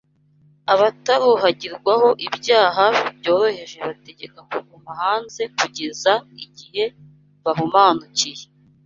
Abataruhagirwaho ibyaha byoroheje bategeka kuguma hanze kugeza igihe bahumanukiye